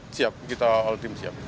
siap kita all tim siap